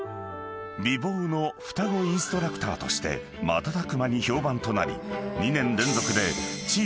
［美貌の双子インストラクターとして瞬く間に評判となり］